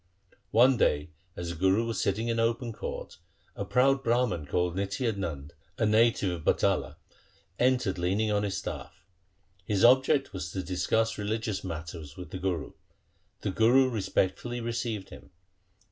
One day, as the Guru was sitting in open court, a proud Brahman called Nitya Nand, a native of Batala, entered leaning on his staff. His object was to discuss religious matters with the Guru. The Guru respectfully received him.